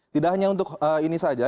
tidak hanya untuk ini saja